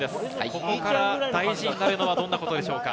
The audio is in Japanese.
ここから大事になるのはどんなことでしょうか。